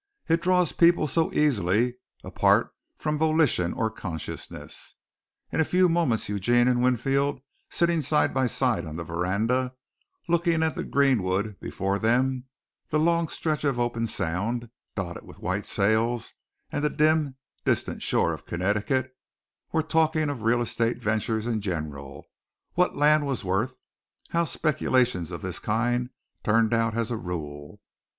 It draws people so easily, apart from volition or consciousness. In a few moments Eugene and Winfield, sitting side by side on the veranda, looking at the greenwood before them, the long stretch of open sound, dotted with white sails and the dim, distant shore of Connecticut, were talking of real estate ventures in general, what land was worth, how speculations of this kind turned out, as a rule.